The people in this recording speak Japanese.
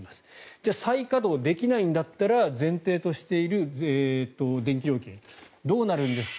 じゃあ再稼働できないんだったら前提としている電気料金どうなるんですか。